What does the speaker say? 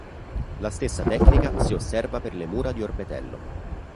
La stessa tecnica si osserva per le mura di Orbetello.